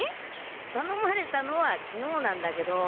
たのまれたのはきのうなんだけど。